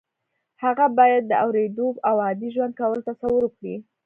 هغه باید د اورېدو او عادي ژوند کولو تصور وکړي